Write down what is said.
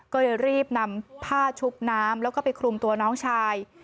ก็เลยรีบนำผ้าชุบน้ำแล้วก็ไปคลุมตัวน้องชาย